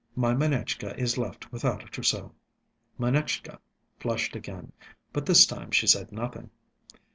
My Manetchka is left without a trousseau." Manetchka flushed again, but this time she said nothing.